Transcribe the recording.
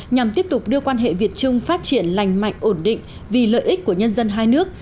nhằm tiếp tục đưa quan hệ việt trung phát triển lành mạnh ổn định vì lợi ích của nhân dân hai nước